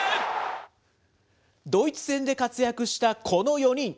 ドイツ戦で活躍したこの４人。